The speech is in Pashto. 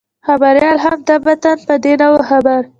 خبریال هم طبعاً په دې نه وو خبر.